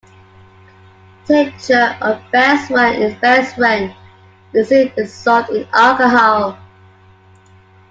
Tincture of benzoin is benzoin resin dissolved in alcohol.